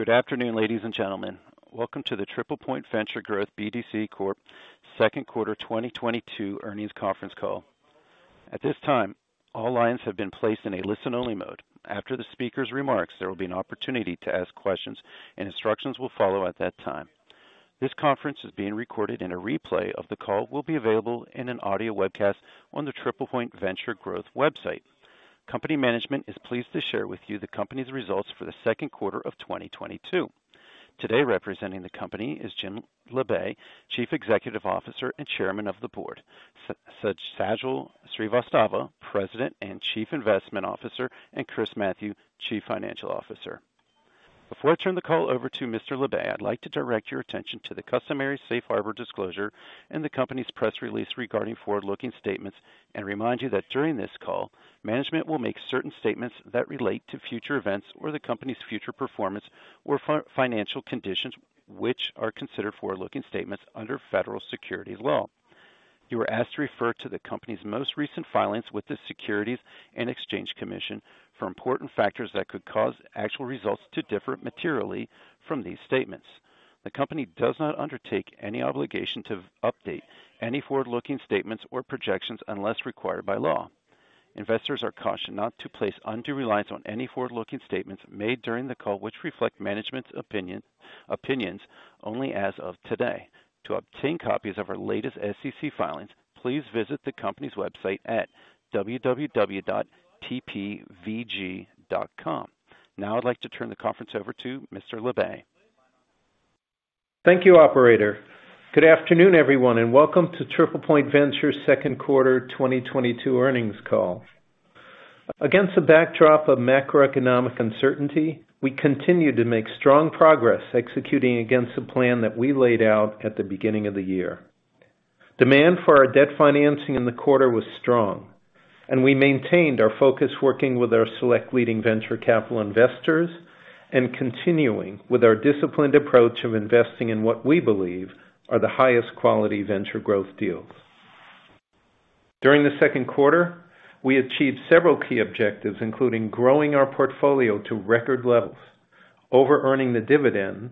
Good afternoon, ladies and gentlemen. Welcome to the TriplePoint Venture Growth BDC Corp. second quarter 2022 earnings conference call. At this time, all lines have been placed in a listen-only mode. After the speaker's remarks, there will be an opportunity to ask questions and instructions will follow at that time. This conference is being recorded and a replay of the call will be available in an audio webcast on the TriplePoint Venture Growth website. Company management is pleased to share with you the company's results for the second quarter of 2022. Today representing the company is Jim Labe, Chief Executive Officer and Chairman of the Board, Sajal Srivastava, President and Chief Investment Officer, and Chris Mathieu, Chief Financial Officer. Before I turn the call over to Mr. Labe, I'd like to direct your attention to the customary safe harbor disclosure in the company's press release regarding forward-looking statements and remind you that during this call, management will make certain statements that relate to future events or the company's future performance or financial conditions which are considered forward-looking statements under federal securities law. You are asked to refer to the company's most recent filings with the Securities and Exchange Commission for important factors that could cause actual results to differ materially from these statements. The company does not undertake any obligation to update any forward-looking statements or projections unless required by law. Investors are cautioned not to place undue reliance on any forward-looking statements made during the call, which reflect management's opinions only as of today. To obtain copies of our latest SEC filings, please visit the company's website at www.tpvg.com.Now I'd like to turn the conference over to Mr. Labe. Thank you, operator. Good afternoon, everyone, and welcome to TriplePoint Venture's second quarter 2022 earnings call. Against a backdrop of macroeconomic uncertainty, we continue to make strong progress executing against the plan that we laid out at the beginning of the year. Demand for our debt financing in the quarter was strong, and we maintained our focus working with our select leading venture capital investors and continuing with our disciplined approach of investing in what we believe are the highest quality venture growth deals. During the second quarter, we achieved several key objectives, including growing our portfolio to record levels, over-earning the dividend,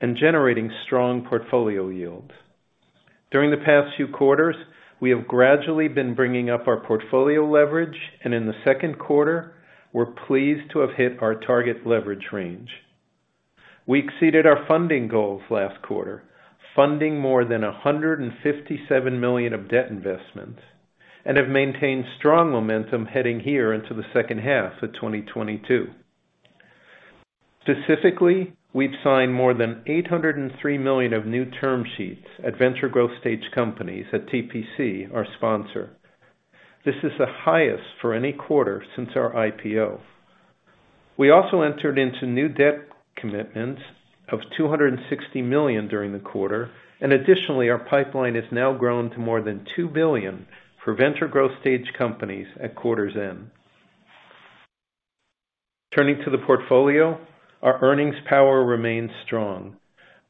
and generating strong portfolio yields. During the past few quarters, we have gradually been bringing up our portfolio leverage, and in the second quarter, we're pleased to have hit our target leverage range. We exceeded our funding goals last quarter, funding more than $157 million of debt investments, and have maintained strong momentum heading into the second half of 2022. Specifically, we've signed more than $803 million of new term sheets at venture growth stage companies at TPC, our sponsor. This is the highest for any quarter since our IPO. We also entered into new debt commitments of $260 million during the quarter, and additionally, our pipeline has now grown to more than $2 billion for venture growth stage companies at quarter's end. Turning to the portfolio, our earnings power remains strong.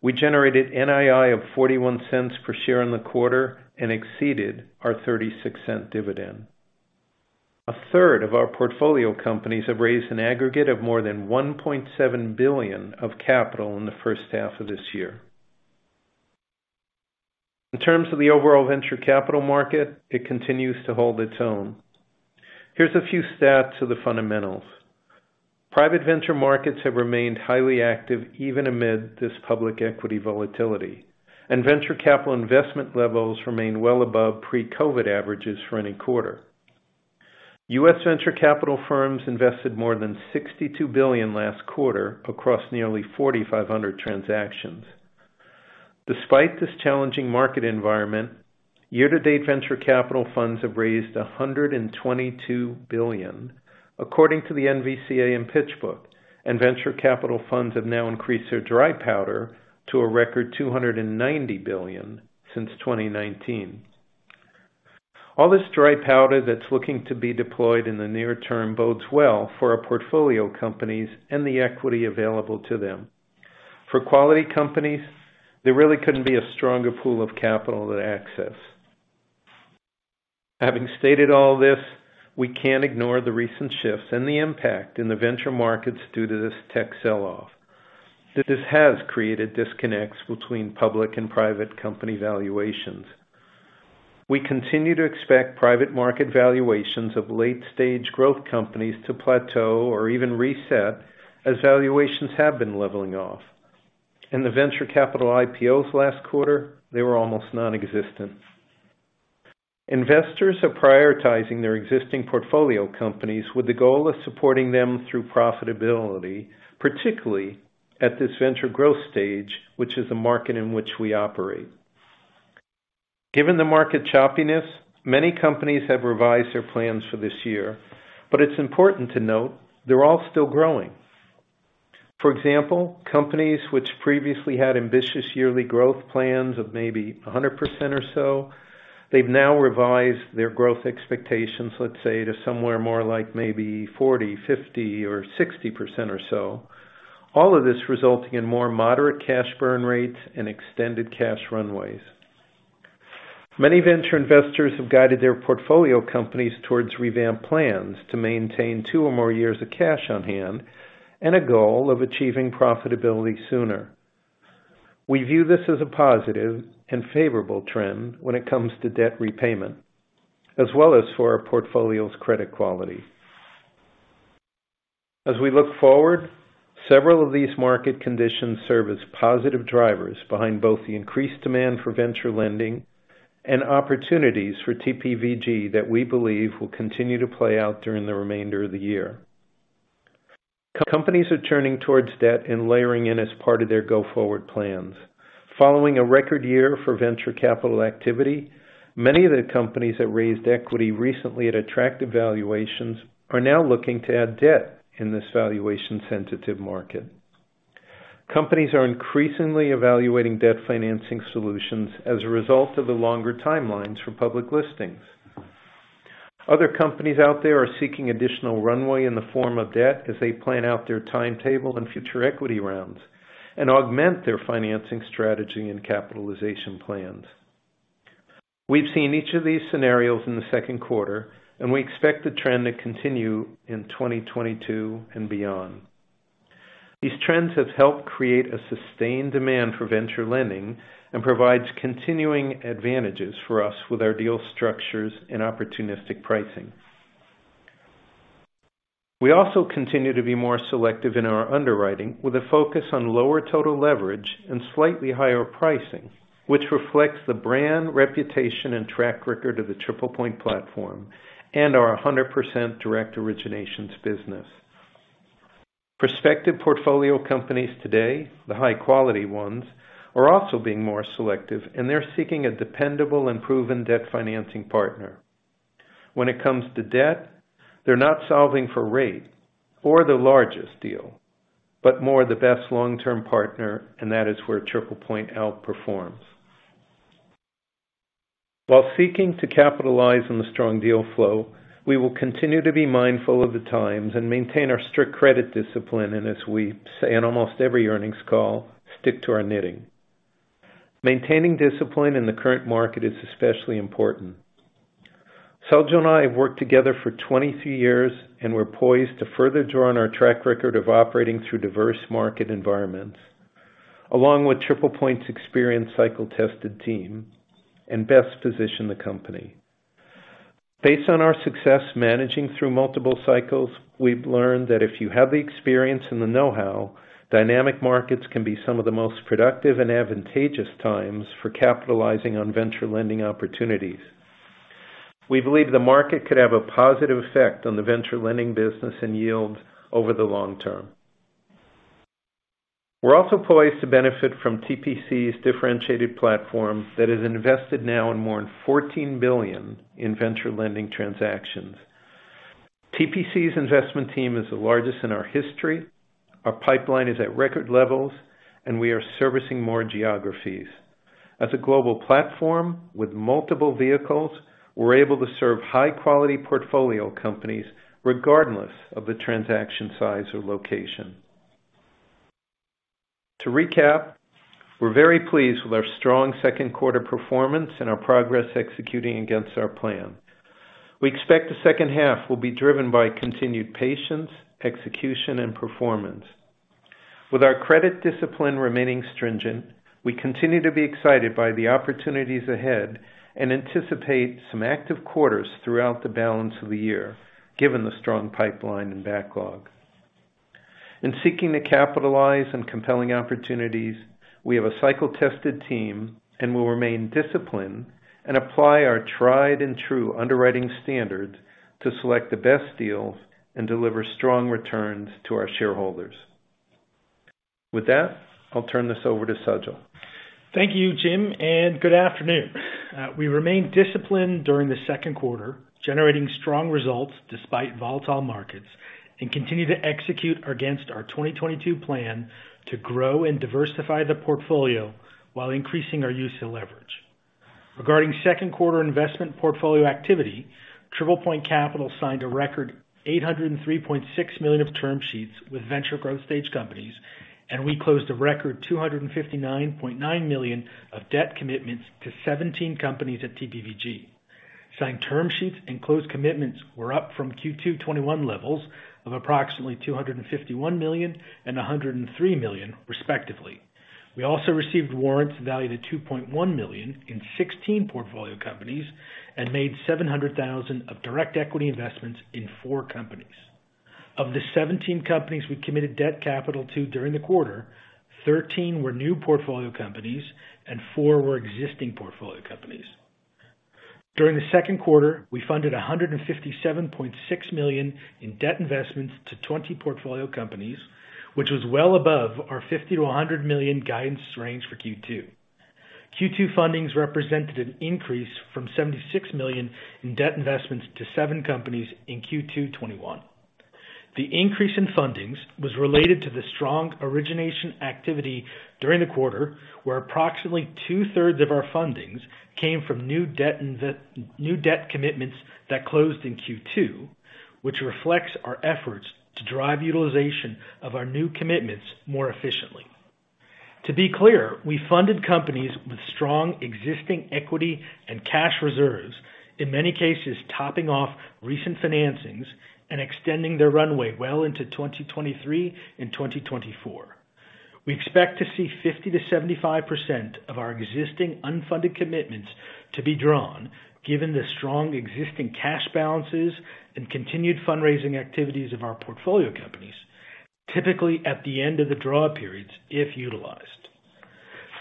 We generated NII of $0.41 per share in the quarter and exceeded our $0.36 dividend. A third of our portfolio companies have raised an aggregate of more than $1.7 billion of capital in the first half of this year. In terms of the overall venture capital market, it continues to hold its own. Here's a few stats of the fundamentals. Private venture markets have remained highly active even amid this public equity volatility, and venture capital investment levels remain well above pre-COVID averages for any quarter. U.S. venture capital firms invested more than $62 billion last quarter across nearly 4,500 transactions. Despite this challenging market environment, year-to-date venture capital funds have raised $122 billion, according to the NVCA and PitchBook, and venture capital funds have now increased their dry powder to a record $290 billion since 2019. All this dry powder that's looking to be deployed in the near term bodes well for our portfolio companies and the equity available to them. For quality companies, there really couldn't be a stronger pool of capital to access. Having stated all this, we can't ignore the recent shifts and the impact in the venture markets due to this tech sell-off. This has created disconnects between public and private company valuations. We continue to expect private market valuations of late-stage growth companies to plateau or even reset as valuations have been leveling off. In the venture capital IPOs last quarter, they were almost non-existent. Investors are prioritizing their existing portfolio companies with the goal of supporting them through profitability, particularly at this venture growth stage, which is the market in which we operate. Given the market choppiness, many companies have revised their plans for this year, but it's important to note they're all still growing. For example, companies which previously had ambitious yearly growth plans of maybe 100% or so, they've now revised their growth expectations, let's say, to somewhere more like maybe 40, 50, or 60% or so. All of this resulting in more moderate cash burn rates and extended cash runways. Many venture investors have guided their portfolio companies towards revamped plans to maintain 2 or more years of cash on hand and a goal of achieving profitability sooner. We view this as a positive and favorable trend when it comes to debt repayment, as well as for our portfolio's credit quality. As we look forward, several of these market conditions serve as positive drivers behind both the increased demand for venture lending and opportunities for TPVG that we believe will continue to play out during the remainder of the year. Companies are turning towards debt and layering in as part of their go-forward plans. Following a record year for venture capital activity, many of the companies that raised equity recently at attractive valuations are now looking to add debt in this valuation-sensitive market. Companies are increasingly evaluating debt financing solutions as a result of the longer timelines for public listings. Other companies out there are seeking additional runway in the form of debt as they plan out their timetable and future equity rounds and augment their financing strategy and capitalization plans. We've seen each of these scenarios in the second quarter, and we expect the trend to continue in 2022 and beyond. These trends have helped create a sustained demand for venture lending and provides continuing advantages for us with our deal structures and opportunistic pricing. We also continue to be more selective in our underwriting with a focus on lower total leverage and slightly higher pricing, which reflects the brand reputation and track record of the TriplePoint platform and our 100% direct originations business. Prospective portfolio companies today, the high-quality ones, are also being more selective, and they're seeking a dependable and proven debt financing partner. When it comes to debt, they're not solving for rate or the largest deal, but more the best long-term partner, and that is where TriplePoint outperforms. While seeking to capitalize on the strong deal flow, we will continue to be mindful of the times and maintain our strict credit discipline, and as we say in almost every earnings call, stick to our knitting. Maintaining discipline in the current market is especially important. Sajal and I have worked together for 22 years, and we're poised to further draw on our track record of operating through diverse market environments, along with TriplePoint's experienced cycle-tested team and best position the company. Based on our success managing through multiple cycles, we've learned that if you have the experience and the know-how, dynamic markets can be some of the most productive and advantageous times for capitalizing on venture lending opportunities. We believe the market could have a positive effect on the venture lending business and yield over the long term. We're also poised to benefit from TPC's differentiated platform that has invested now in more than $14 billion in venture lending transactions. TPC's investment team is the largest in our history. Our pipeline is at record levels, and we are servicing more geographies. As a global platform with multiple vehicles, we're able to serve high-quality portfolio companies regardless of the transaction size or location. To recap, we're very pleased with our strong second quarter performance and our progress executing against our plan. We expect the second half will be driven by continued patience, execution, and performance. With our credit discipline remaining stringent, we continue to be excited by the opportunities ahead and anticipate some active quarters throughout the balance of the year, given the strong pipeline and backlog. In seeking to capitalize on compelling opportunities, we have a cycle-tested team and will remain disciplined and apply our tried and true underwriting standards to select the best deals and deliver strong returns to our shareholders. With that, I'll turn this over to Sajal. Thank you, Jim, and good afternoon. We remained disciplined during the second quarter, generating strong results despite volatile markets, and continue to execute against our 2022 plan to grow and diversify the portfolio while increasing our use of leverage. Regarding second quarter investment portfolio activity, TriplePoint Capital signed a record $803.6 million of term sheets with venture growth stage companies, and we closed a record $259.9 million of debt commitments to 17 companies at TPVG. Signed term sheets and closed commitments were up from Q2 2021 levels of approximately $251 million and $103 million respectively. We also received warrants valued at $2.1 million in 16 portfolio companies and made $700,000 of direct equity investments in 4 companies. Of the 17 companies we committed debt capital to during the quarter, 13 were new portfolio companies and 4 were existing portfolio companies. During the second quarter, we funded $157.6 million in debt investments to 20 portfolio companies, which was well above our $50-$100 million guidance range for Q2. Q2 fundings represented an increase from $76 million in debt investments to 7 companies in Q2 2021. The increase in fundings was related to the strong origination activity during the quarter, where approximately two-thirds of our fundings came from new debt commitments that closed in Q2, which reflects our efforts to drive utilization of our new commitments more efficiently. To be clear, we funded companies with strong existing equity and cash reserves, in many cases topping off recent financings and extending their runway well into 2023 and 2024. We expect to see 50%-75% of our existing unfunded commitments to be drawn given the strong existing cash balances and continued fundraising activities of our portfolio companies. Typically at the end of the draw periods, if utilized.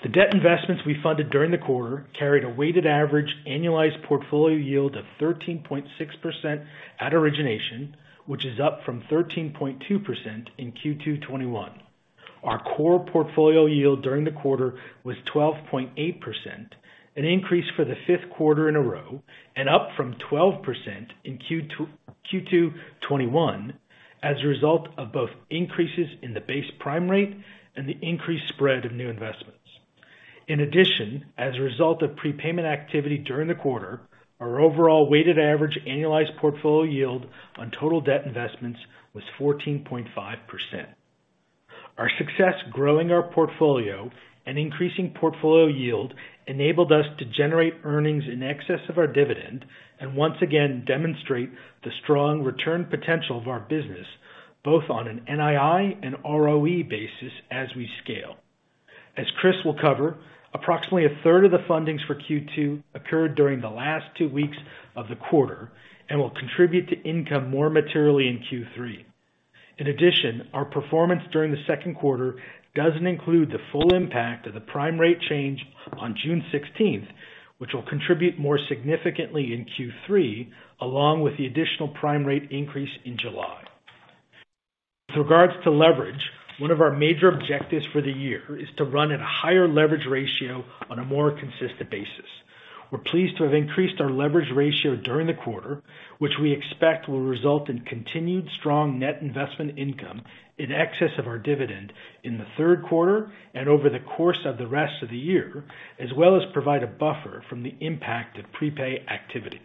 The debt investments we funded during the quarter carried a weighted average annualized portfolio yield of 13.6% at origination, which is up from 13.2% in Q2 2021. Our core portfolio yield during the quarter was 12.8%, an increase for the fifth quarter in a row, and up from 12% in Q2 2021 as a result of both increases in the base prime rate and the increased spread of new investments. In addition, as a result of prepayment activity during the quarter, our overall weighted average annualized portfolio yield on total debt investments was 14.5%. Our success growing our portfolio and increasing portfolio yield enabled us to generate earnings in excess of our dividend and once again demonstrate the strong return potential of our business, both on an NII and ROE basis as we scale. As Chris will cover, approximately a third of the fundings for Q2 occurred during the last two weeks of the quarter and will contribute to income more materially in Q3. In addition, our performance during the second quarter doesn't include the full impact of the prime rate change on June sixteenth, which will contribute more significantly in Q3, along with the additional prime rate increase in July. With regards to leverage, one of our major objectives for the year is to run at a higher leverage ratio on a more consistent basis. We're pleased to have increased our leverage ratio during the quarter, which we expect will result in continued strong net investment income in excess of our dividend in the third quarter and over the course of the rest of the year, as well as provide a buffer from the impact of prepay activity.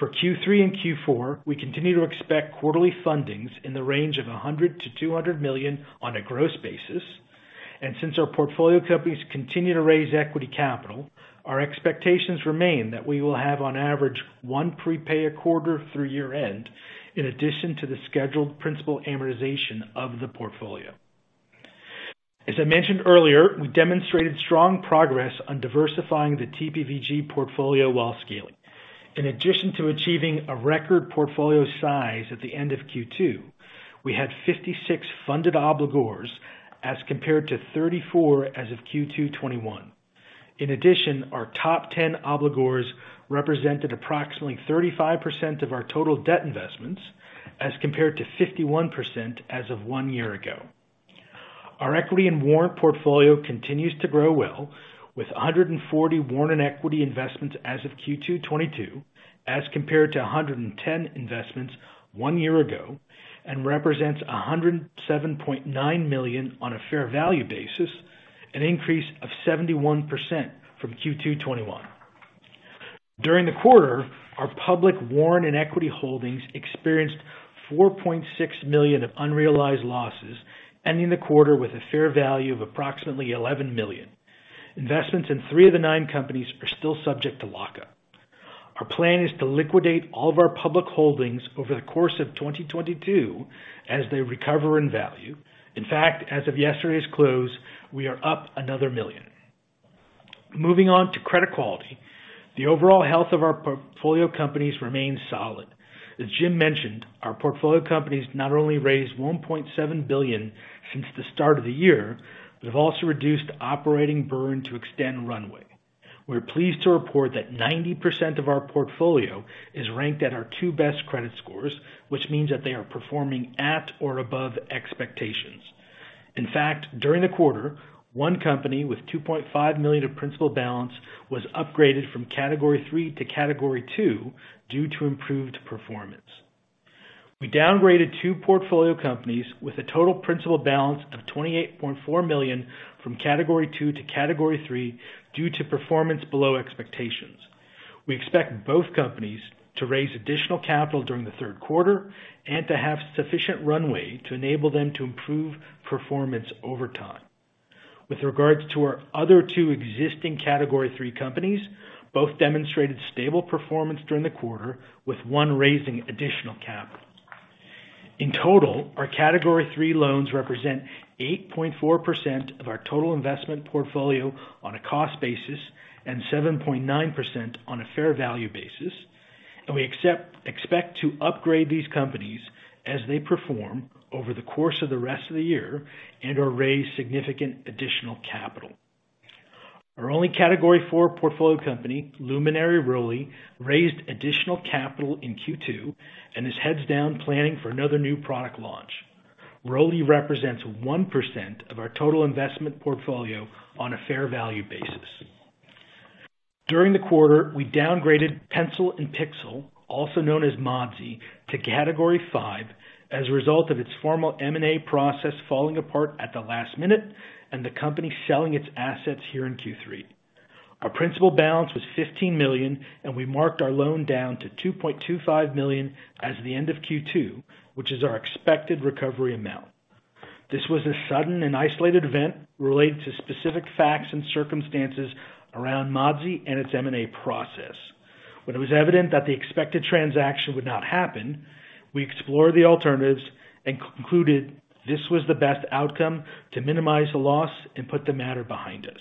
For Q3 and Q4, we continue to expect quarterly fundings in the range of $100-$200 million on a gross basis. Since our portfolio companies continue to raise equity capital, our expectations remain that we will have, on average, one prepay a quarter through year-end. In addition to the scheduled principal amortization of the portfolio. As I mentioned earlier, we demonstrated strong progress on diversifying the TPVG portfolio while scaling. In addition to achieving a record portfolio size at the end of Q2, we had 56 funded obligors as compared to 34 as of Q2 2021. In addition, our top ten obligors represented approximately 35% of our total debt investments, as compared to 51% as of one year ago. Our equity and warrant portfolio continues to grow well, with 140 warrant and equity investments as of Q2 2022, as compared to 110 investments one year ago, and represents $107.9 million on a fair value basis, an increase of 71% from Q2 2021. During the quarter, our public warrant and equity holdings experienced $4.6 million of unrealized losses, ending the quarter with a fair value of approximately $11 million. Investments in 3 of the 9 companies are still subject to lockup. Our plan is to liquidate all of our public holdings over the course of 2022 as they recover in value. In fact, as of yesterday's close, we are up another $1 million. Moving on to credit quality. The overall health of our portfolio companies remains solid. As Jim mentioned, our portfolio companies not only raised $1.7 billion since the start of the year, but have also reduced operating burn to extend runway. We're pleased to report that 90% of our portfolio is ranked at our two best credit scores, which means that they are performing at or above expectations. In fact, during the quarter, one company with $2.5 million of principal balance was upgraded from category three to category two due to improved performance. We downgraded two portfolio companies with a total principal balance of $28.4 million from category two to category three due to performance below expectations. We expect both companies to raise additional capital during the third quarter and to have sufficient runway to enable them to improve performance over time. With regards to our other two existing category three companies, both demonstrated stable performance during the quarter, with one raising additional capital. In total, our category three loans represent 8.4% of our total investment portfolio on a cost basis and 7.9% on a fair value basis, and we expect to upgrade these companies as they perform over the course of the rest of the year and/or raise significant additional capital. Our only category four portfolio company, Luminary ROLI, raised additional capital in Q2 and is heads down planning for another new product launch. Roli represents 1% of our total investment portfolio on a fair value basis. During the quarter, we downgraded Pencil and Pixel, also known as Modsy, to category five as a result of its formal M&A process falling apart at the last minute and the company selling its assets here in Q3. Our principal balance was $15 million, and we marked our loan down to $2.25 million at the end of Q2, which is our expected recovery amount. This was a sudden and isolated event related to specific facts and circumstances around Modsy and its M&A process. When it was evident that the expected transaction would not happen, we explored the alternatives and concluded this was the best outcome to minimize the loss and put the matter behind us.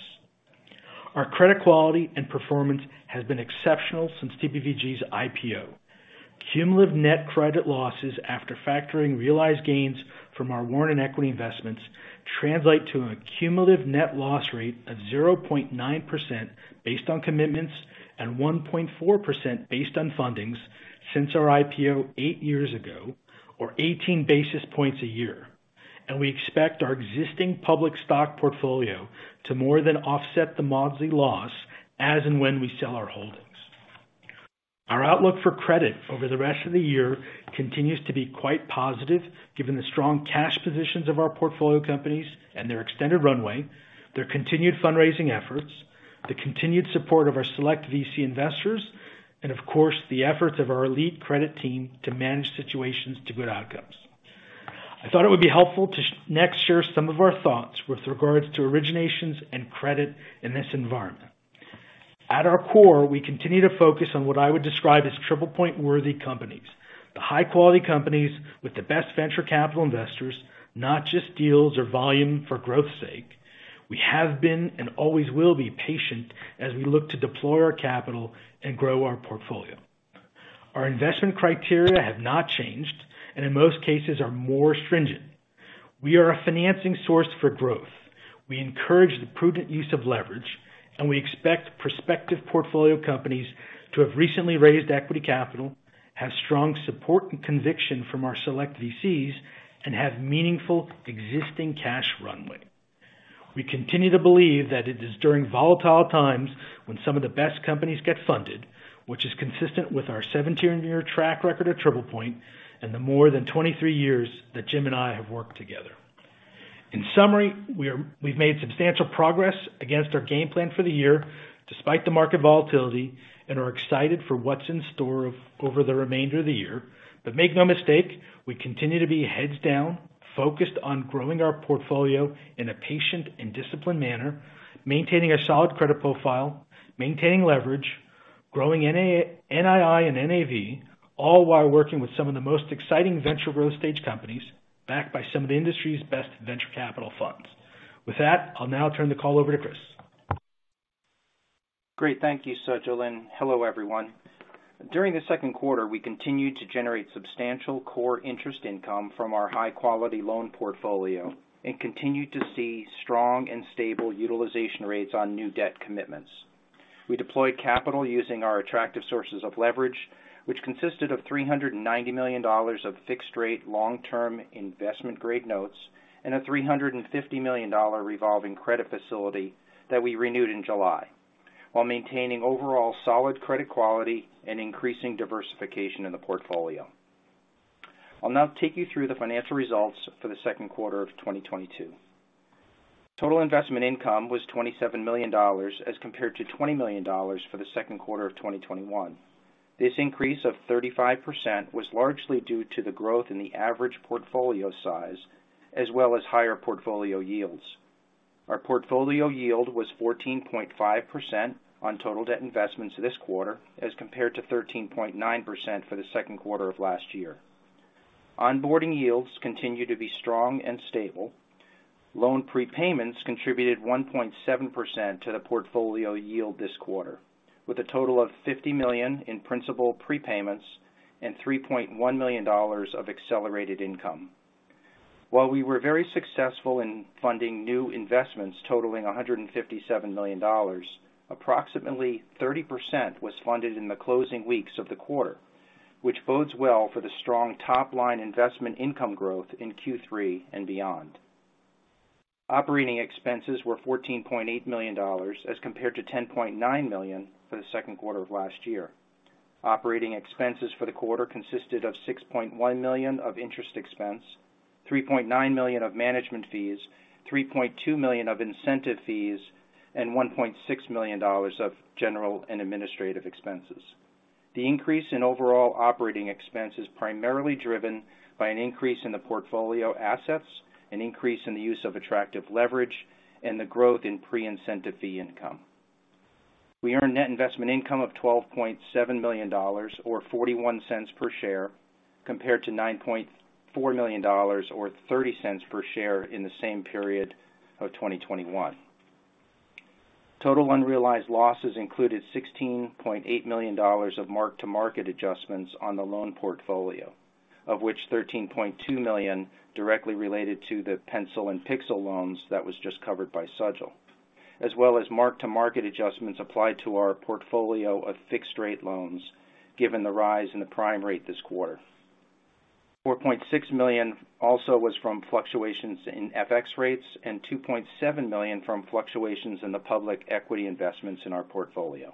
Our credit quality and performance has been exceptional since TPVG's IPO. Cumulative net credit losses, after factoring realized gains from our warrant and equity investments, translate to a cumulative net loss rate of 0.9% based on commitments and 1.4% based on fundings since our IPO 8 years ago, or 18 basis points a year. We expect our existing public stock portfolio to more than offset the Modsy loss as and when we sell our holdings. Our outlook for credit over the rest of the year continues to be quite positive, given the strong cash positions of our portfolio companies and their extended runway, their continued fundraising efforts, the continued support of our select VC investors, and of course, the efforts of our elite credit team to manage situations to good outcomes. I thought it would be helpful to next share some of our thoughts with regards to originations and credit in this environment. At our core, we continue to focus on what I would describe as TriplePoint worthy companies, the high-quality companies with the best venture capital investors, not just deals or volume for growth's sake. We have been and always will be patient as we look to deploy our capital and grow our portfolio. Our investment criteria have not changed, and in most cases are more stringent. We are a financing source for growth. We encourage the prudent use of leverage, and we expect prospective portfolio companies to have recently raised equity capital, have strong support and conviction from our select VCs, and have meaningful existing cash runway. We continue to believe that it is during volatile times when some of the best companies get funded, which is consistent with our 17-year track record at TriplePoint and the more than 23 years that Jim and I have worked together. In summary, we've made substantial progress against our game plan for the year despite the market volatility and are excited for what's in store over the remainder of the year. make no mistake, we continue to be heads down, focused on growing our portfolio in a patient and disciplined manner, maintaining a solid credit profile, maintaining leverage, growing NII and NAV, all while working with some of the most exciting venture growth stage companies backed by some of the industry's best venture capital funds. With that, I'll now turn the call over to Chris. Great. Thank you, Sajal, and hello, everyone. During the second quarter, we continued to generate substantial core interest income from our high-quality loan portfolio and continued to see strong and stable utilization rates on new debt commitments. We deployed capital using our attractive sources of leverage, which consisted of $390 million of fixed rate long-term investment grade notes and a $350 million revolving credit facility that we renewed in July, while maintaining overall solid credit quality and increasing diversification in the portfolio. I'll now take you through the financial results for the second quarter of 2022. Total investment income was $27 million as compared to $20 million for the second quarter of 2021. This increase of 35% was largely due to the growth in the average portfolio size as well as higher portfolio yields. Our portfolio yield was 14.5% on total debt investments this quarter as compared to 13.9% for the second quarter of last year. Onboarding yields continue to be strong and stable. Loan prepayments contributed 1.7% to the portfolio yield this quarter, with a total of $50 million in principal prepayments and $3.1 million of accelerated income. While we were very successful in funding new investments totaling $157 million, approximately 30% was funded in the closing weeks of the quarter, which bodes well for the strong top line investment income growth in Q3 and beyond. Operating expenses were $14.8 million as compared to $10.9 million for the second quarter of last year. Operating expenses for the quarter consisted of $6.1 million of interest expense, $3.9 million of management fees, $3.2 million of incentive fees, and $1.6 million of general and administrative expenses. The increase in overall operating expense is primarily driven by an increase in the portfolio assets, an increase in the use of attractive leverage, and the growth in pre-incentive fee income. We earned net investment income of $12.7 million or $0.41 per share, compared to $9.4 million or $0.30 per share in the same period of 2021. Total unrealized losses included $16.8 million of mark-to-market adjustments on the loan portfolio, of which $13.2 million directly related to the Pencil and Pixel loans that was just covered by Sajal, as well as mark-to-market adjustments applied to our portfolio of fixed rate loans given the rise in the prime rate this quarter. $4.6 million also was from fluctuations in FX rates and $2.7 million from fluctuations in the public equity investments in our portfolio.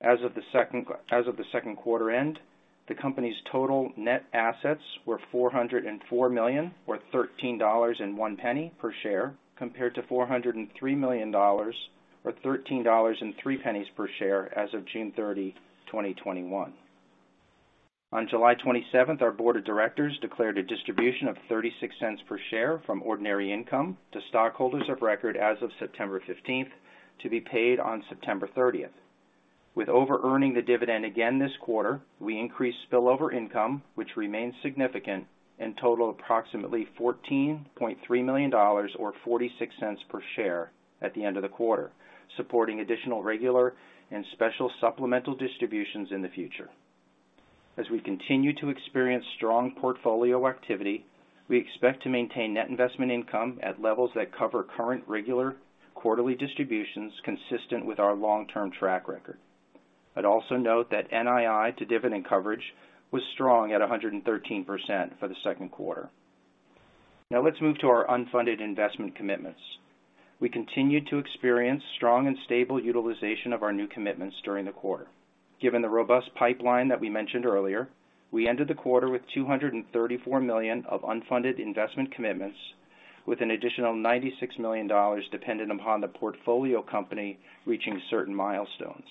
As of the second quarter end, the company's total net assets were $404 million, or $13.01 per share, compared to $403 million or $13.03 per share as of June 30, 2021. On July 27, our board of directors declared a distribution of $0.36 per share from ordinary income to stockholders of record as of September 15 to be paid on September 30. With overearning the dividend again this quarter, we increased spillover income, which remains significant, and totaled approximately $14.3 million or $0.46 per share at the end of the quarter, supporting additional regular and special supplemental distributions in the future. As we continue to experience strong portfolio activity, we expect to maintain net investment income at levels that cover current regular quarterly distributions consistent with our long-term track record. I'd also note that NII to dividend coverage was strong at 113% for the second quarter. Now let's move to our unfunded investment commitments. We continued to experience strong and stable utilization of our new commitments during the quarter. Given the robust pipeline that we mentioned earlier, we ended the quarter with $234 million of unfunded investment commitments, with an additional $96 million dependent upon the portfolio company reaching certain milestones.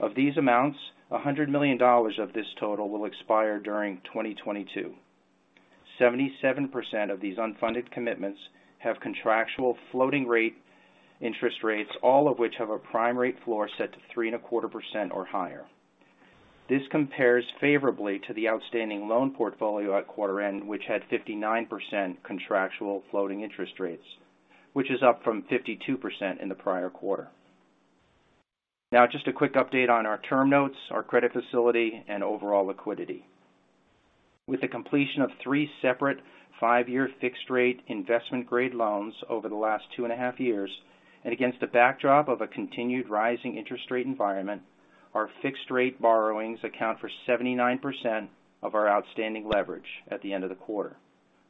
Of these amounts, $100 million of this total will expire during 2022. 77 of these unfunded commitments have contractual floating rate interest rates, all of which have a prime rate floor set to 3.25% or higher. This compares favorably to the outstanding loan portfolio at quarter end, which had 59% contractual floating interest rates, which is up from 52% in the prior quarter. Now just a quick update on our term notes, our credit facility, and overall liquidity. With the completion of 3 separate 5-year fixed rate investment grade loans over the last 2.5 years, and against the backdrop of a continued rising interest rate environment, our fixed rate borrowings account for 79% of our outstanding leverage at the end of the quarter,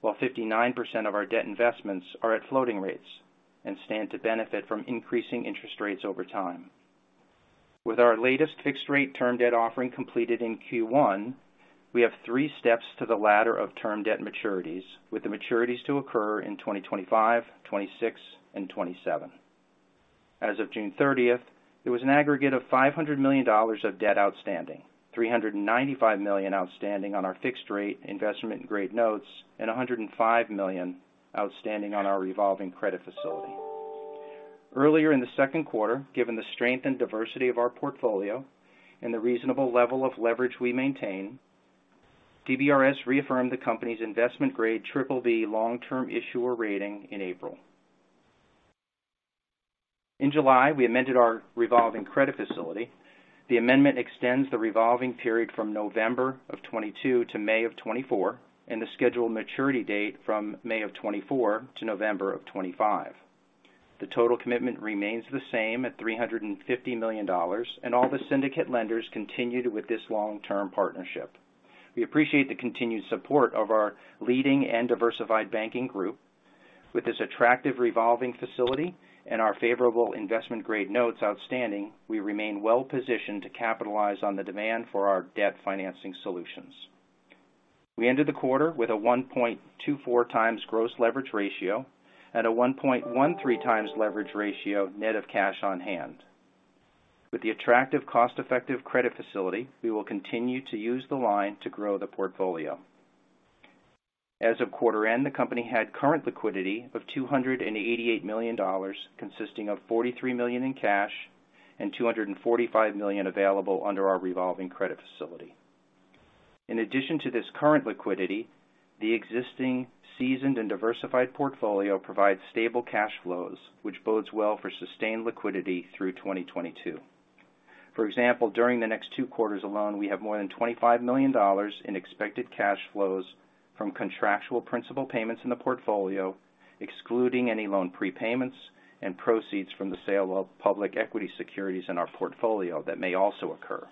while 59% of our debt investments are at floating rates and stand to benefit from increasing interest rates over time. With our latest fixed rate term debt offering completed in Q1, we have 3 steps to the ladder of term debt maturities, with the maturities to occur in 2025, 2026, and 2027. As of June 30, there was an aggregate of $500 million of debt outstanding, $395 million outstanding on our fixed rate investment grade notes, and $105 million outstanding on our revolving credit facility. Earlier in the second quarter, given the strength and diversity of our portfolio and the reasonable level of leverage we maintain, DBRS reaffirmed the company's investment-grade BBB long-term issuer rating in April. In July, we amended our revolving credit facility. The amendment extends the revolving period from November 2022 to May 2024 and the scheduled maturity date from May 2024 to November 2025. The total commitment remains the same at $350 million, and all the syndicate lenders continued with this long-term partnership. We appreciate the continued support of our leading and diversified banking group. With this attractive revolving facility and our favorable investment-grade notes outstanding, we remain well positioned to capitalize on the demand for our debt financing solutions. We ended the quarter with a 1.24x gross leverage ratio and a 1.13x leverage ratio net of cash on hand. With the attractive cost-effective credit facility, we will continue to use the line to grow the portfolio. As of quarter end, the company had current liquidity of $288 million, consisting of $43 million in cash and $245 million available under our revolving credit facility. In addition to this current liquidity, the existing seasoned and diversified portfolio provides stable cash flows, which bodes well for sustained liquidity through 2022. For example, during the next two quarters alone, we have more than $25 million in expected cash flows from contractual principal payments in the portfolio, excluding any loan prepayments and proceeds from the sale of public equity securities in our portfolio that may also occur.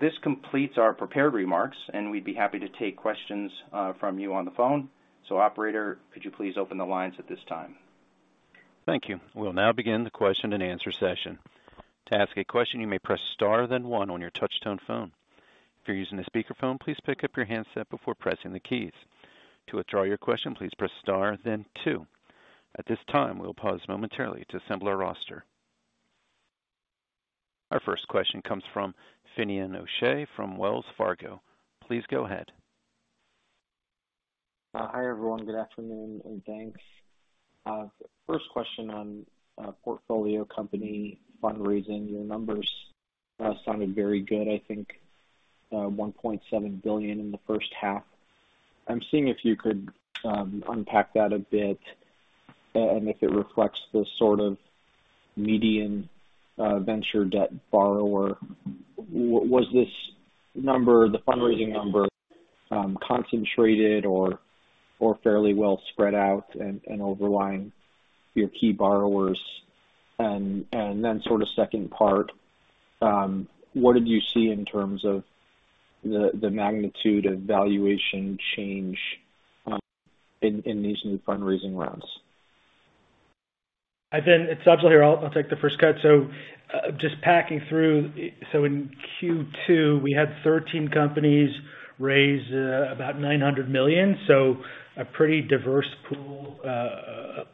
This completes our prepared remarks, and we'd be happy to take questions from you on the phone. Operator, could you please open the lines at this time? Thank you. We'll now begin the question-and-answer session. To ask a question, you may press star then one on your touch tone phone. If you're using a speakerphone, please pick up your handset before pressing the keys. To withdraw your question, please press star then two. At this time, we'll pause momentarily to assemble our roster. Our first question comes from Finian O'Shea from Wells Fargo. Please go ahead. Hi, everyone. Good afternoon, and thanks. First question on portfolio company fundraising. Your numbers sounded very good. I think $1.7 billion in the first half. I'm seeing if you could unpack that a bit and if it reflects the sort of median venture debt borrower. Was this number, the fundraising number, concentrated or fairly well spread out and overlying your key borrowers? Then sort of second part, what did you see in terms of the magnitude of valuation change in these new fundraising rounds. It's Sajal here. I'll take the first cut. Just walking through. In Q2, we had 13 companies raise about $900 million. It's a pretty diverse pool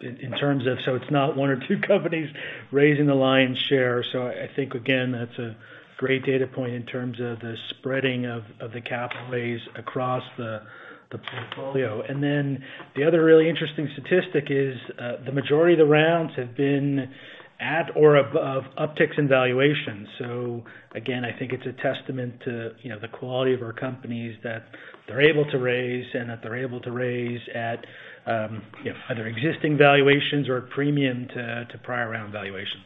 in terms of. It's not one or two companies raising the lion's share. I think, again, that's a great data point in terms of the spreading of the capital raise across the portfolio. The other really interesting statistic is the majority of the rounds have been at or above upticks in valuation. Again, I think it's a testament to, you know, the quality of our companies that they're able to raise and that they're able to raise at, you know, either existing valuations or a premium to prior round valuations.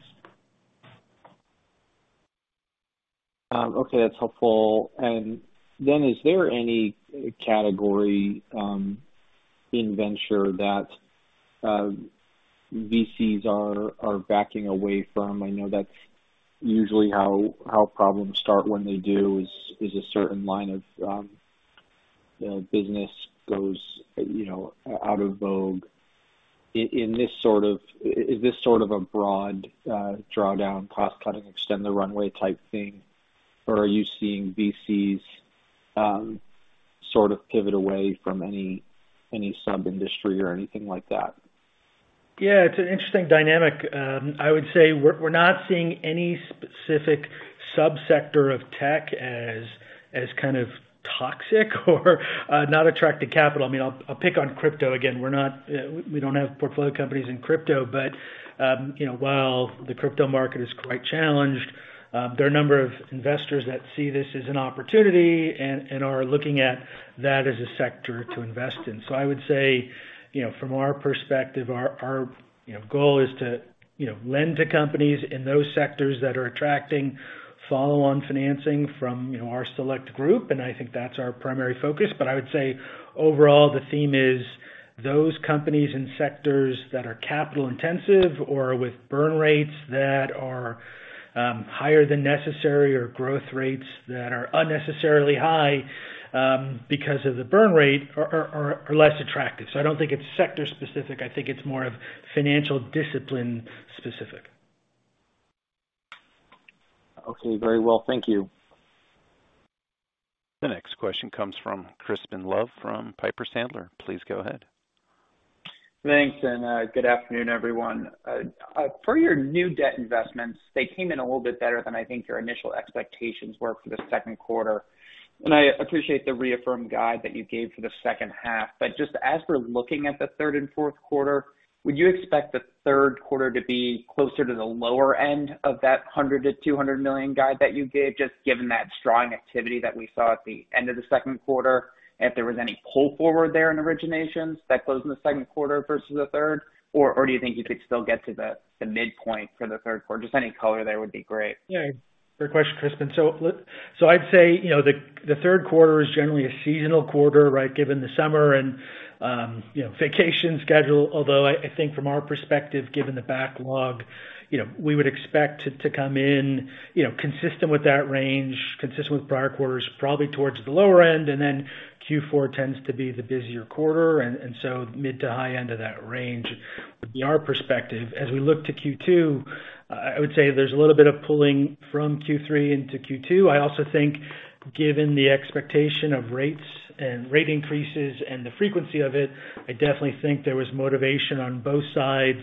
Okay, that's helpful. Is there any category in venture that VCs are backing away from? I know that's usually how problems start when they do, is a certain line of, you know, business goes, you know, out of vogue. Is this sort of a broad, drawdown, cost-cutting, extend the runway type thing, or are you seeing VCs, sort of pivot away from any, sub-industry or anything like that? Yeah, it's an interesting dynamic. I would say we're not seeing any specific subsector of tech as kind of toxic or not attracting capital. I mean, I'll pick on crypto again. We don't have portfolio companies in crypto. But you know, while the crypto market is quite challenged, there are a number of investors that see this as an opportunity and are looking at that as a sector to invest in. So I would say, you know, from our perspective, our goal is to lend to companies in those sectors that are attracting follow-on financing from our select group. I think that's our primary focus. I would say overall, the theme is those companies and sectors that are capital intensive or with burn rates that are higher than necessary or growth rates that are unnecessarily high, because of the burn rate are less attractive. I don't think it's sector specific. I think it's more of financial discipline specific. Okay. Very well. Thank you. The next question comes from Crispin Love from Piper Sandler. Please go ahead. Thanks, good afternoon, everyone. For your new debt investments, they came in a little bit better than I think your initial expectations were for the second quarter. I appreciate the reaffirmed guide that you gave for the second half. Just as we're looking at the third and fourth quarter, would you expect the third quarter to be closer to the lower end of that $100 million-$200 million guide that you gave, just given that strong activity that we saw at the end of the second quarter, if there was any pull forward there in originations that closed in the second quarter versus the third, or do you think you could still get to the midpoint for the third quarter? Just any color there would be great. Yeah. Great question, Crispin. So I'd say, you know, the third quarter is generally a seasonal quarter, right? Given the summer and, you know, vacation schedule. Although I think from our perspective, given the backlog, you know, we would expect to come in, you know, consistent with that range, consistent with prior quarters, probably towards the lower end. Q4 tends to be the busier quarter and so mid to high end of that range would be our perspective. As we look to Q2, I would say there's a little bit of pulling from Q3 into Q2. I also think given the expectation of rates and rate increases and the frequency of it, I definitely think there was motivation on both sides,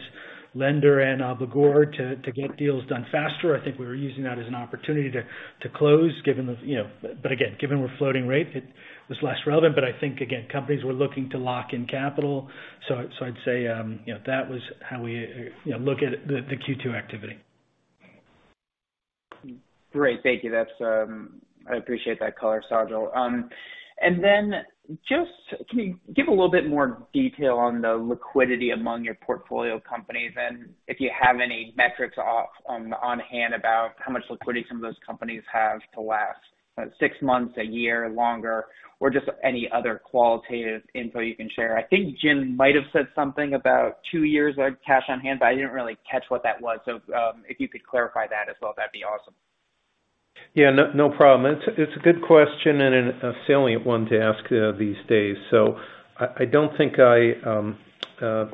lender and obligor, to get deals done faster. I think we were using that as an opportunity to close. You know, but again, given we're floating rate, it was less relevant. I think again, companies were looking to lock in capital. I'd say, you know, that was how we look at the Q2 activity. Great. Thank you. That's, I appreciate that color, Sajal. And then just can you give a little bit more detail on the liquidity among your portfolio companies, and if you have any metrics offhand about how much liquidity some of those companies have to last, six months, a year, longer, or just any other qualitative info you can share? I think Jim might have said something about two years of cash on hand, but I didn't really catch what that was. If you could clarify that as well, that'd be awesome. Yeah, no problem. It's a good question and a salient one to ask these days. I don't think I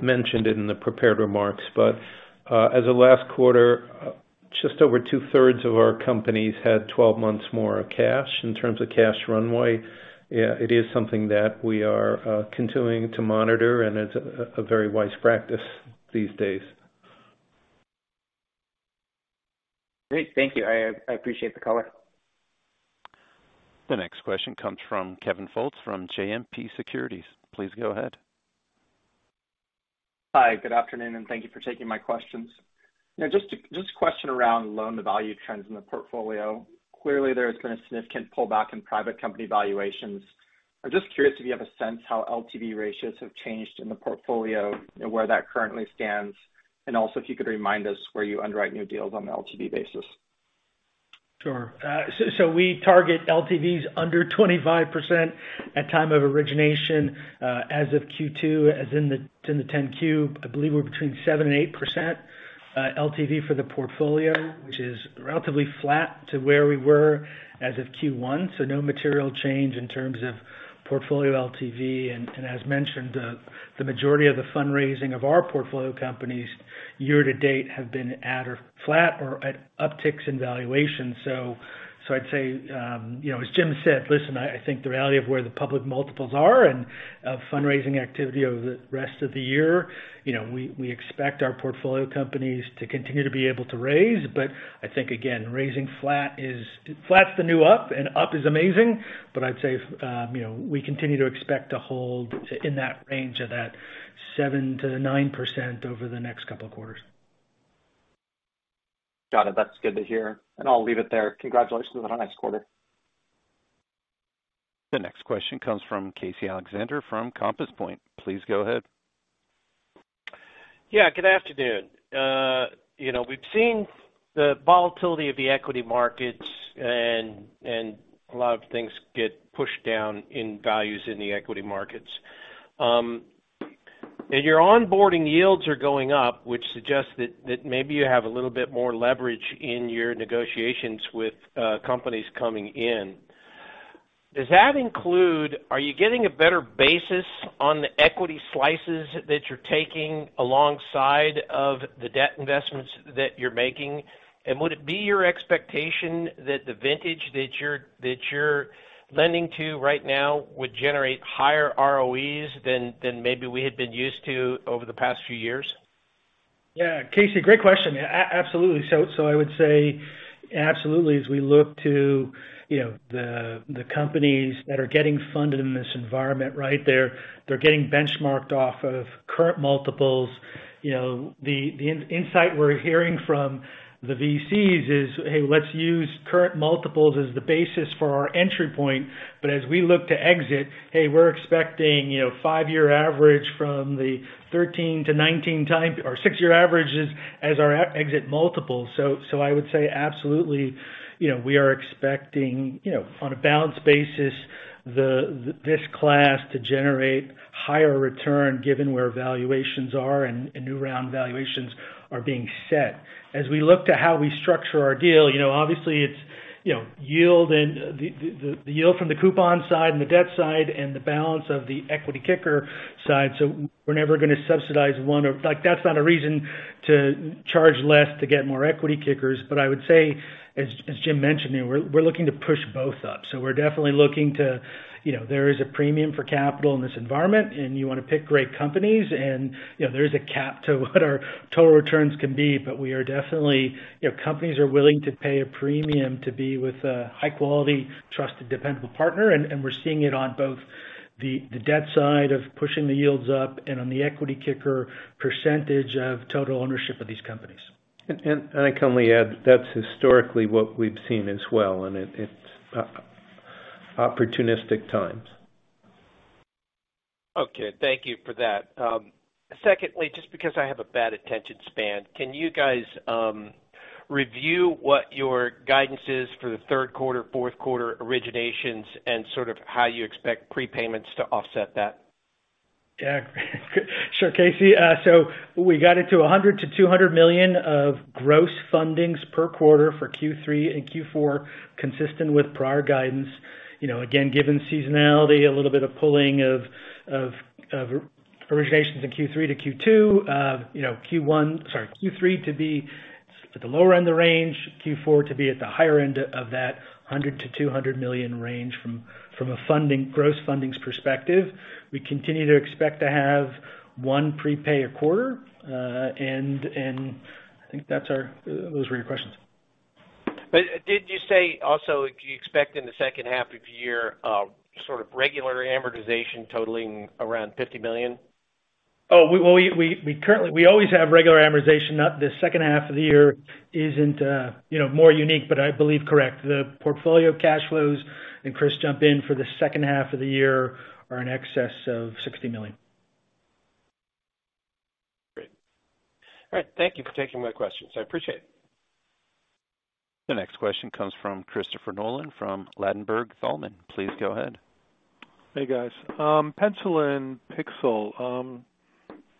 mentioned it in the prepared remarks, but as of last quarter, just over two-thirds of our companies had 12 months more of cash in terms of cash runway. Yeah, it is something that we are continuing to monitor, and it's a very wise practice these days. Great. Thank you. I appreciate the color. The next question comes from Kevin Fultz from JMP Securities. Please go ahead. Hi. Good afternoon, and thank you for taking my questions. You know, just a question around loan-to-value trends in the portfolio. Clearly, there's been a significant pullback in private company valuations. I'm just curious if you have a sense how LTV ratios have changed in the portfolio and where that currently stands, and also if you could remind us where you underwrite new deals on the LTV basis. Sure. So we target LTVs under 25% at time of origination. As of Q2, as in the 10-Q, I believe we're between 7% and 8% LTV for the portfolio, which is relatively flat to where we were as of Q1. No material change in terms of portfolio LTV. As mentioned, the majority of the fundraising of our portfolio companies year to date have been at or flat or at upticks in valuation. I'd say, you know, as Jim said, listen, I think the reality of where the public multiples are and fundraising activity over the rest of the year, you know, we expect our portfolio companies to continue to be able to raise. I think again, raising flat is flat's the new up and up is amazing. I'd say, you know, we continue to expect to hold in that range of that 7%-9% over the next couple of quarters. Got it. That's good to hear. I'll leave it there. Congratulations on a nice quarter. The next question comes from Casey Alexander from Compass Point. Please go ahead. Yeah, good afternoon. You know, we've seen the volatility of the equity markets and a lot of things get pushed down in values in the equity markets. Your onboarding yields are going up, which suggests that maybe you have a little bit more leverage in your negotiations with companies coming in. Does that include? Are you getting a better basis on the equity slices that you're taking alongside of the debt investments that you're making? Would it be your expectation that the vintage that you're lending to right now would generate higher ROEs than maybe we had been used to over the past few years? Yeah. Casey, great question. Absolutely. So I would say absolutely, as we look to, you know, the companies that are getting funded in this environment, right? They're getting benchmarked off of current multiples. You know, the insight we're hearing from the VCs is, "Hey, let's use current multiples as the basis for our entry point. But as we look to exit, hey, we're expecting, you know, 5-year average from the 13 to 19 time or 6-year averages as our exit multiples." So I would say absolutely, you know, we are expecting, you know, on a balanced basis, this class to generate higher return given where valuations are and new round valuations are being set. As we look to how we structure our deal, you know, obviously it's, you know, yield and the yield from the coupon side and the debt side and the balance of the equity kicker side. We're never gonna subsidize one. Like, that's not a reason to charge less to get more equity kickers. I would say as Jim mentioned, you know, we're looking to push both up. We're definitely looking to, you know, there is a premium for capital in this environment, and you wanna pick great companies and, you know, there is a cap to what our total returns can be. We are definitely, you know, companies are willing to pay a premium to be with a high quality, trusted, dependable partner. We're seeing it on both the debt side of pushing the yields up and on the equity kicker percentage of total ownership of these companies. I can only add, that's historically what we've seen as well, and it's opportunistic times. Okay. Thank you for that. Secondly, just because I have a bad attention span, can you guys review what your guidance is for the third quarter, fourth quarter originations and sort of how you expect prepayments to offset that? Yeah. Sure, Casey. So we guided to $100 million-$200 million of gross fundings per quarter for Q3 and Q4, consistent with prior guidance. You know, again, given seasonality, a little bit of pulling of originations in Q3 to Q2. You know, Q3 to be at the lower end of range, Q4 to be at the higher end of that $100 million-$200 million range from a funding, gross fundings perspective. We continue to expect to have one prepay a quarter. And I think that's our. Those were your questions. Did you say also, do you expect in the second half of the year, sort of regular amortization totaling around $50 million? We always have regular amortization. No, the second half of the year isn't more unique, but I believe correct. The portfolio cash flows, and Chris, jump in, for the second half of the year are in excess of $60 million. Great. All right. Thank you for taking my questions. I appreciate it. The next question comes from Christopher Nolan from Ladenburg Thalmann. Please go ahead. Hey, guys. Pencil and Pixel,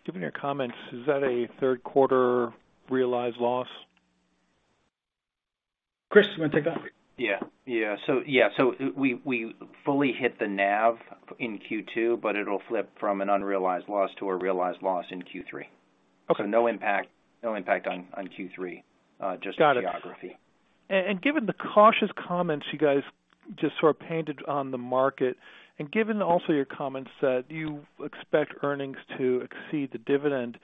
given your comments, is that a third quarter realized loss? Chris, you wanna take that? We fully hit the NAV in Q2, but it'll flip from an unrealized loss to a realized loss in Q3. Okay. No impact on Q3, just the geography. Got it. Given the cautious comments you guys just sort of painted on the market, and given also your comments that you expect earnings to exceed the dividend,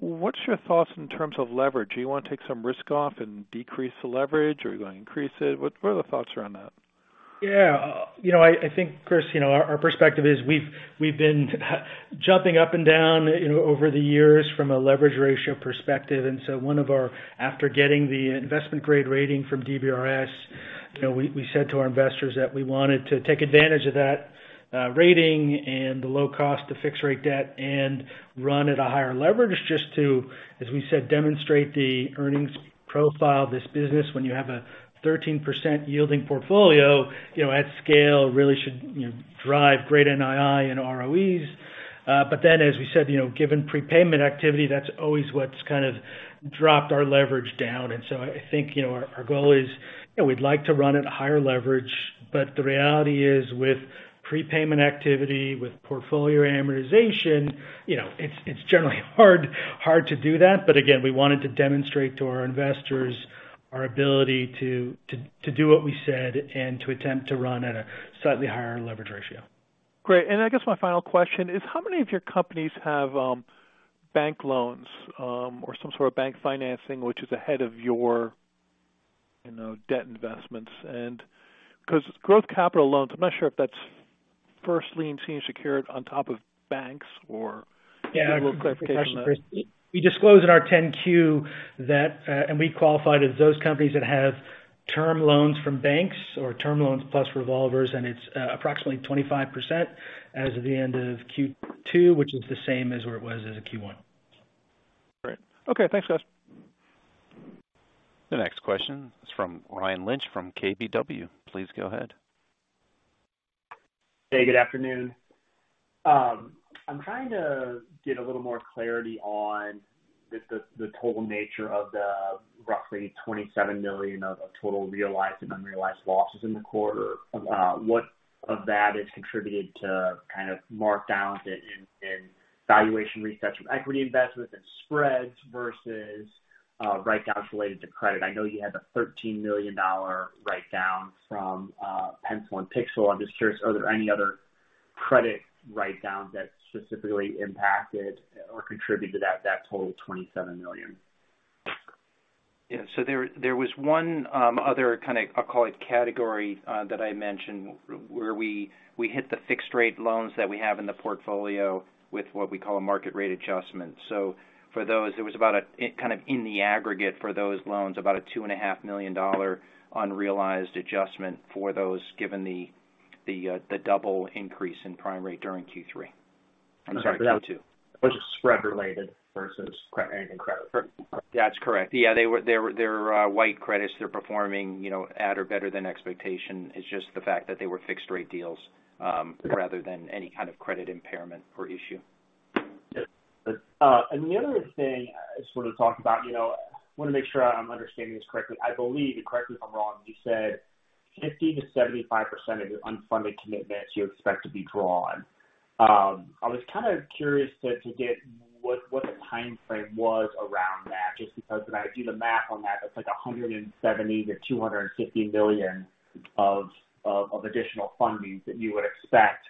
what's your thoughts in terms of leverage? Do you wanna take some risk off and decrease the leverage or are you gonna increase it? What are the thoughts around that? Yeah. You know, I think, Chris, you know, our perspective is we've been jumping up and down, you know, over the years from a leverage ratio perspective. After getting the investment grade rating from DBRS. You know, we said to our investors that we wanted to take advantage of that rating and the low cost of fixed rate debt and run at a higher leverage just to, as we said, demonstrate the earnings profile of this business. When you have a 13% yielding portfolio, you know, at scale, really should, you know, drive great NII and ROEs. As we said, you know, given prepayment activity, that's always what's kind of dropped our leverage down. I think, you know, our goal is we'd like to run at higher leverage, but the reality is with prepayment activity, with portfolio amortization, you know, it's generally hard to do that. But again, we wanted to demonstrate to our investors our ability to do what we said and to attempt to run at a slightly higher leverage ratio. Great. I guess my final question is how many of your companies have bank loans or some sort of bank financing which is ahead of your, you know, debt investments? Because growth capital loans, I'm not sure if that's first lien senior secured on top of banks or- Yeah. A little clarification on that. We disclose in our 10-Q that we qualified as those companies that have term loans from banks or term loans plus revolvers, and it's approximately 25% as of the end of Q2, which is the same as where it was as of Q1. Great. Okay, thanks guys. The next question is from Ryan Lynch from KBW. Please go ahead. Hey, good afternoon. I'm trying to get a little more clarity on just the total nature of the roughly $27 million of total realized and unrealized losses in the quarter. What of that is contributed to kind of markdowns in valuation resets from equity investments and spreads versus write downs related to credit. I know you had the $13 million dollar write down from Pencil and Pixel. I'm just curious, are there any other credit write downs that specifically impacted or contributed to that total of $27 million? Yeah. There was one other kind of, I'll call it category, that I mentioned where we hit the fixed rate loans that we have in the portfolio with what we call a market rate adjustment. For those, there was about a kind of in the aggregate for those loans, about a $2.5 million unrealized adjustment for those given the double increase in prime rate during Q3. I'm sorry, Q2. Which is spread related versus anything credit. That's correct. Yeah. They're white credits. They're performing, you know, at or better than expectation. It's just the fact that they were fixed rate deals rather than any kind of credit impairment or issue. The other thing I just wanna talk about, you know, I wanna make sure I'm understanding this correctly. I believe, and correct me if I'm wrong, you said 50%-75% of your unfunded commitments you expect to be drawn. I was kind of curious to get what the timeframe was around that, just because when I do the math on that's like $170 million-$250 million of additional fundings that you would expect.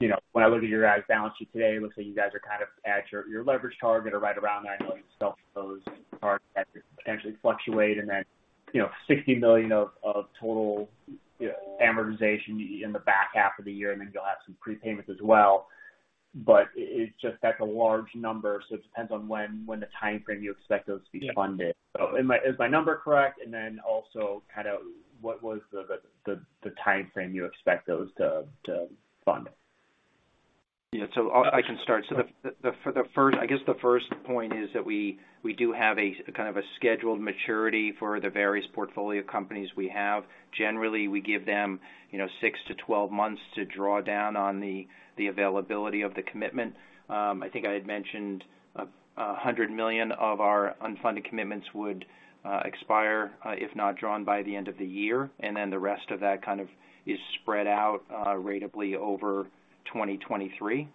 You know, when I look at your guys' balance sheet today, it looks like you guys are kind of at your leverage target or right around that. I know those are potentially fluctuate and then, you know, $60 million of total amortization in the back half of the year, and then you'll have some prepayments as well. It's just that's a large number. It depends on when the timeframe you expect those to be funded. Is my number correct? Then also kind of what was the timeframe you expect those to fund? Yeah. I can start. I guess the first point is that we do have kind of a scheduled maturity for the various portfolio companies we have. Generally, we give them you know 6-12 months to draw down on the availability of the commitment. I think I had mentioned $100 million of our unfunded commitments would expire if not drawn by the end of the year. Then the rest of that kind of is spread out ratably over 2023.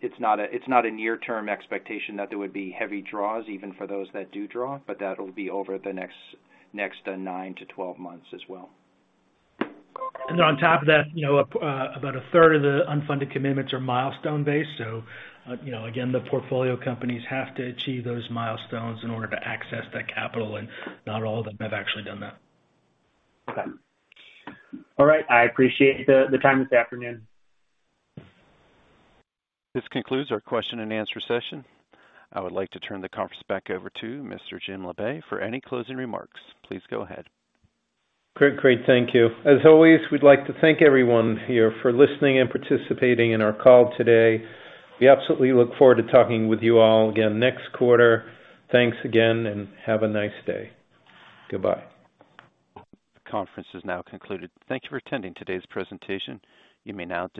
It's not a near-term expectation that there would be heavy draws even for those that do draw, but that'll be over the next 9-12 months as well. On top of that, you know, about a third of the unfunded commitments are milestone based. You know, again, the portfolio companies have to achieve those milestones in order to access that capital, and not all of them have actually done that. Okay. All right. I appreciate the time this afternoon. This concludes our question and answer session. I would like to turn the conference back over to Mr. Jim Labe for any closing remarks. Please go ahead. Great. Thank you. As always, we'd like to thank everyone here for listening and participating in our call today. We absolutely look forward to talking with you all again next quarter. Thanks again, and have a nice day. Goodbye. Conference is now concluded. Thank you for attending today's presentation. You may now dis-